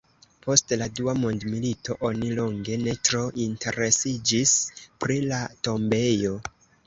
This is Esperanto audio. Post la Dua mondmilito oni longe ne tro interesiĝis pri la tombejo.